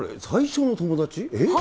最初の友達？